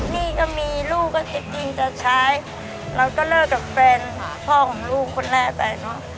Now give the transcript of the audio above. นี่ก็มีลูกก็เท็จจริงจะใช้เราก็เลิกกับแฟนหาพ่อของลูกคนแรกไปเนอะ